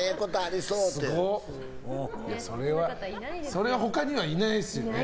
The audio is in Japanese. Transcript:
それは他にはいないですよね。